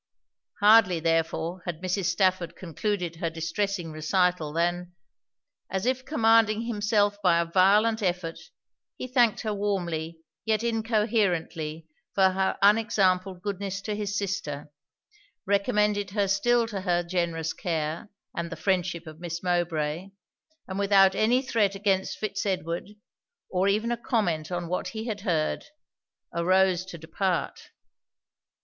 Hardly therefore had Mrs. Stafford concluded her distressing recital, than, as if commanding himself by a violent effort, he thanked her warmly yet incoherently for her unexampled goodness to his sister, recommended her still to her generous care, and the friendship of Miss Mowbray, and without any threat against Fitz Edward, or even a comment on what he had heard, arose to depart.